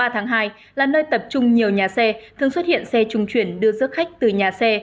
ba tháng hai là nơi tập trung nhiều nhà xe thường xuất hiện xe trung chuyển đưa giấc khách từ nhà xe